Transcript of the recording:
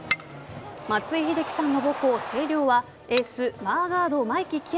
松井秀喜さんの母校・星稜はエースマーガード真偉輝